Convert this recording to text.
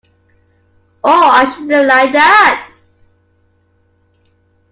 Oh, I shouldn’t like that!